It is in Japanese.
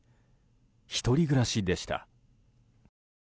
１人暮らしでした。